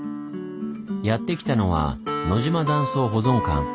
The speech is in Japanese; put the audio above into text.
やって来たのは野島断層保存館。